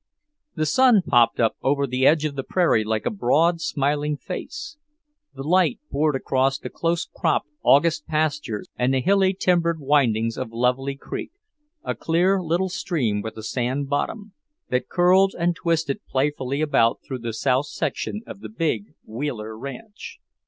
The sun popped up over the edge of the prairie like a broad, smiling face; the light poured across the close cropped August pastures and the hilly, timbered windings of Lovely Creek, a clear little stream with a sand bottom, that curled and twisted playfully about through the south section of the big Wheeler ranch.